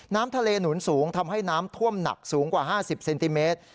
น้ำทะเลหนุนสูงทำให้น้ำท่วมหนักสูงกว่า๕๐เซนติเมตร